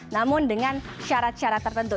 namun dengan syarat syarat tertentu